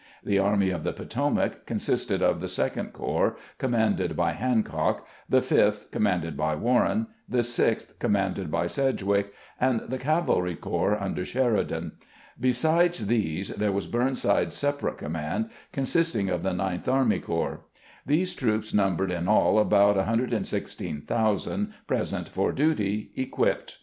The Army of the Potomac consisted of the Second Corps, commanded by Hancock ; the Fifth, com manded by Warren ; the Sixth, commanded by Sedg wick ; and the cavalry corps under Sheridan. Besides these, there was Burnside's separate command, consist ing of the Ninth Army Corps. These troops numbered in all about 116,000 present for duty, equipped.